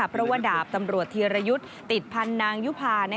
เพราะว่าดาบตำรวจธีรยุทธ์ติดพันธ์นางยุภา